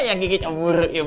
yang kiki keburu im